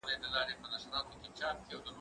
زه بايد مځکي ته وګورم،